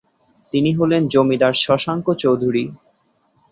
তিনি হলেন জমিদার শশাঙ্ক চৌধুরী।